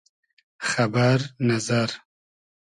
خئبئر نئزئر